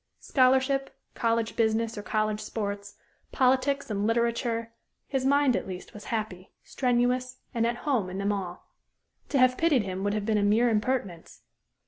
Scholarship, college business or college sports, politics and literature his mind, at least, was happy, strenuous, and at home in them all. To have pitied him would have been a mere impertinence.